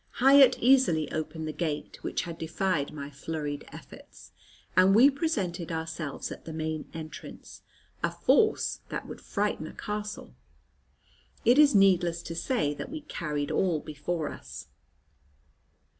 Hiatt easily opened the gate, which had defied my flurried efforts, and we presented ourselves at the main entrance, a force that would frighten a castle. It is needless to say that we carried all before us.